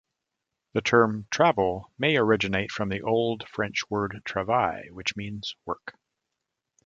The term "travel" may originate from the Old French word "travail", which means 'work'.